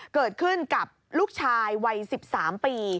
เกิดขึ้นกับลูกชายวัย๑๓ปี